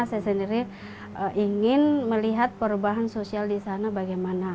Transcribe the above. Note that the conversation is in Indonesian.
saya sendiri ingin melihat perubahan sosial di sana bagaimana